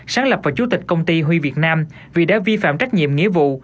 sáng lập vào chủ tịch công ty huy việt nam vì đã vi phạm trách nhiệm nghĩa vụ